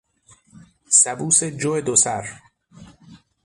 سبوس جو دو سر